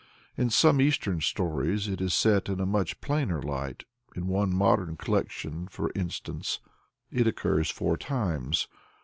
In some Eastern stories it is set in a much plainer light; in one modern collection for instance, it occurs four times.